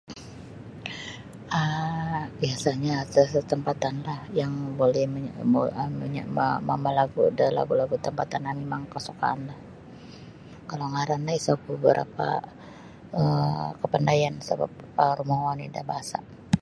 um biasanyo asal-asal tampatanlah yang buli monyo mo monyo' um mamalagu' da lagu-lagu' tampatan mimang kasukaanlah kalau ngaran no isa' ku barapa' um kapandayan sabap um manguo oni' da bahasa'.